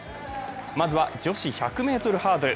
まずは女子１００ｍハードル。